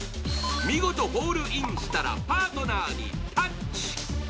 見事ホールインしたらパートナーにタッチ。